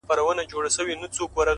راسره جانانه ستا بلا واخلم،